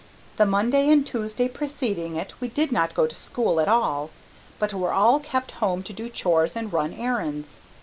The Monday and Tuesday preceding it we did not go to school at all, but were all kept home to do chores and run errands.